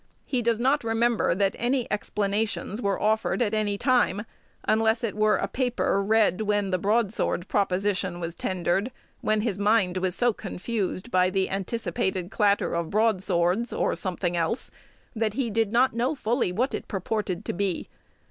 He does not remember that any explanations were offered at any time, unless it were a paper read when the "broadsword proposition" was tendered, when his mind was so confused by the anticipated clatter of broadswords, or something else, that he did "not know fully what it purported to be."